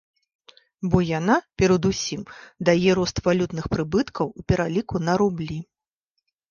Бо яна, перад усім, дае рост валютных прыбыткаў у пераліку на рублі.